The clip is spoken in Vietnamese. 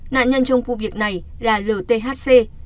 nạn nhân trong vụ việc này là lthc